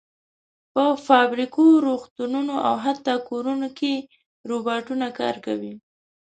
په فابریکو، روغتونونو او حتی کورونو کې روباټونه کار کوي.